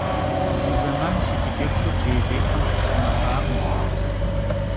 Zı zeman si xhıcebzır lêyzêhem şısxhumefakhım.